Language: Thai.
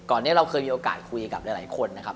นี้เราเคยมีโอกาสคุยกับหลายคนนะครับ